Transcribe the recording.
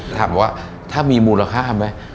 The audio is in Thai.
ถามว่าถามีมูลภาพมั้ย